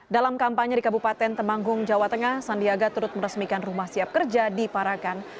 dalam kampanye di kabupaten temanggung jawa tengah sandiaga turut meresmikan rumah siap kerja di parakan